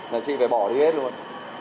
là chị phải bỏ đi hết luôn